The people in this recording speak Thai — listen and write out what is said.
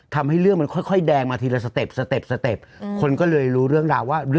ถูกต้องมั้ย